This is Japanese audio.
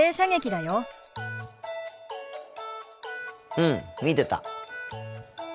うん見てた。